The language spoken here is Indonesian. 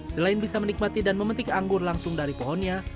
selain bisa menikmati dan memetik anggur langsung dari pohonnya